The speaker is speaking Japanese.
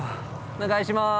お願いします。